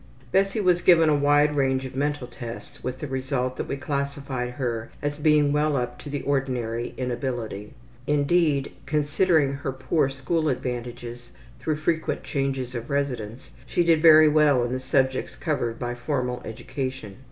Bessie was given a wide range of mental tests, with the result that we classified her as being well up to the ordinary in ability. Indeed, considering her poor school advantages through frequent changes of residence she did very well in the subjects covered by formal education.